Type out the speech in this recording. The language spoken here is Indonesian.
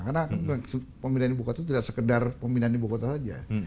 karena pemindahan ibu kota itu tidak sekedar pemindahan ibu kota saja